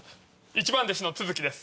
一番弟子の都築です。